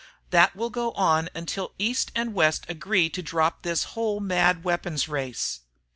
That will go on until East and West agree to drop this whole mad weapons race.